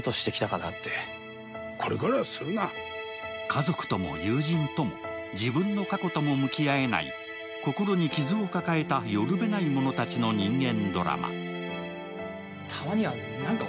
家族とも、友人とも、自分の過去とも向き合えない心に傷を抱えた寄る辺ない者たちの人間ドラマ。